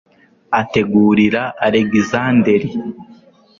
ategurira alegisanderi